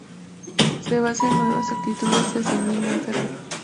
Se basa en nuevas actitudes hacia el niño enfermo.